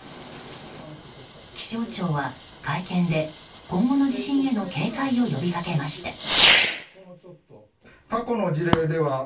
気象庁は会見で今後の地震への警戒を呼びかけました。